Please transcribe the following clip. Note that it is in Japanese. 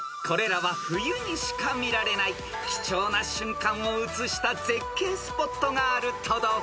［これらは冬にしか見られない貴重な瞬間を映した絶景スポットがある都道府県です］